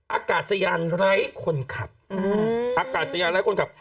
อากาศยานไร้คนขับอากาศยานไร้คนขับ